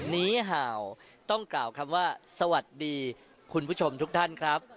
หนี้เห่าต้องกล่าวคำว่าสวัสดีคุณผู้ชมทุกท่านครับ